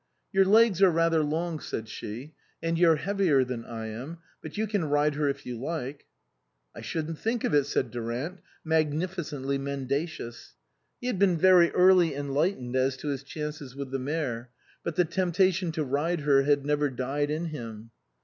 " Your legs are rather long," said she, " and you're heavier than I am ; but you can ride her if you like." " I shouldn't think of it," said Durant, mag nificently mendacious. He had been very early enlightened as to his chances with the mare ; but the temptation to ride her had never died in him.